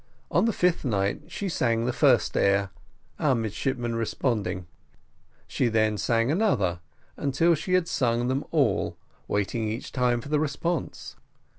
On the fifth night she sang the first air, and our midshipman responding, she then sang another, until she had sung them all, waiting each time for the response.